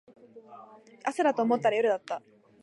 朝だと思ったら夜だった